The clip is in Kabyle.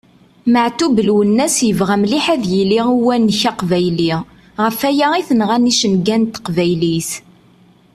Meɛtub Lwennas yebɣa mliḥ ad yili uwanek aqbayli, ɣef aya i t-nɣan icenga n teqbaylit!